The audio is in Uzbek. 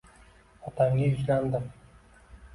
otamga yuzlandim.